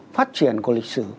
phát triển của lịch sử